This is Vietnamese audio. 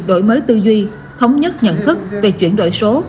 đổi mới tư duy thống nhất nhận thức về chuyển đổi số